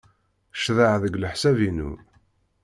Ccḍeɣ deg leḥsab-inu.